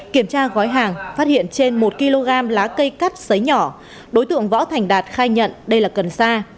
kiểm tra gói hàng phát hiện trên một kg lá cây cắt xấy nhỏ đối tượng võ thành đạt khai nhận đây là cần sa